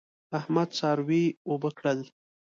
احمد څاروي اوبه کړل.